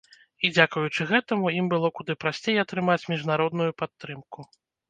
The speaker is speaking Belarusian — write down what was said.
І дзякуючы гэтаму, ім было куды прасцей атрымаць міжнародную падтрымку.